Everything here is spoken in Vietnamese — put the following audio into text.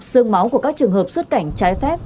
bài học sương máu của các trường hợp xuất cảnh trái phép